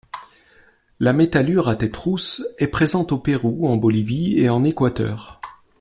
La Métallure à tête rousse est présente au Pérou, en Bolivie et en Équateur.